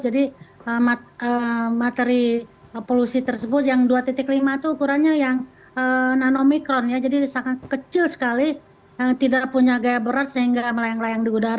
jadi materi polusi tersebut yang dua lima itu ukurannya yang nano mikron ya jadi sangat kecil sekali tidak punya gaya berat sehingga melayang layang di udara